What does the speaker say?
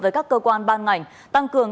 với các cơ quan ban ngành tăng cường